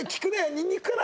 ニンニクかな？